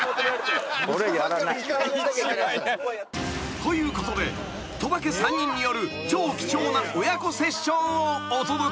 ［ということで鳥羽家３人による超貴重な親子セッションをお届け］